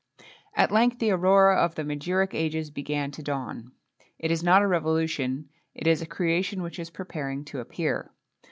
At length the aurora of the magiric ages began to dawn: it is not a revolution, it is a creation which is preparing to appear.